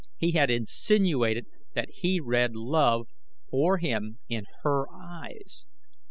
He had insinuated that he read love for him in her eyes.